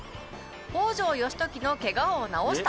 「北条義時のケガを治した！